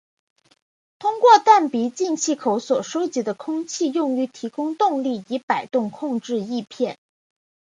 通过弹鼻进气口所收集的空气用于提供动力以摆动控制翼片。